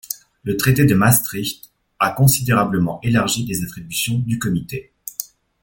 Le Traité de Maastricht a considérablement élargi les attributions du Comité.